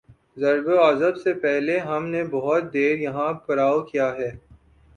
ضرب عضب سے پہلے ہم نے بہت دیر یہاں پڑاؤ کیا ہے۔